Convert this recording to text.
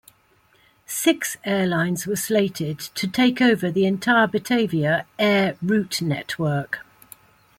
Six airlines were slated to take over the entire Batavia Air route network.